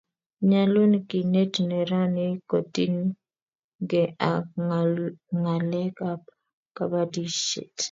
nyalun kinet neranik kotiny ge ak ng'alek ab kabatishiet